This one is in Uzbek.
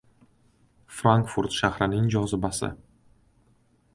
Frankfurt shahrining jozibasi